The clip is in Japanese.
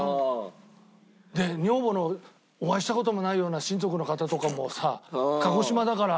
女房のお会いした事もないような親族の方とかもさ鹿児島だから。